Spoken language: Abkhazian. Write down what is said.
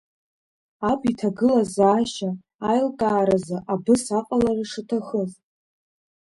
Аб иҭагылазаашьа аилкааразы абыс аҟалара шаҭахыз.